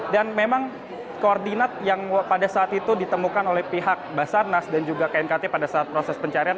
dan memang koordinat yang pada saat itu ditemukan oleh pihak basarnas dan juga knkt pada saat proses pencarian